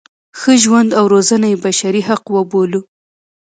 ښه ژوند او روزنه یې بشري حق وبولو.